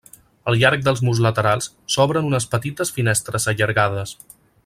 Al llarg dels murs laterals s'obren unes petites finestres allargades.